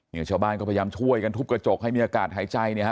ชาวบ้านก็พยายามช่วยกันทุบกระจกให้มีอากาศหายใจเนี่ยฮ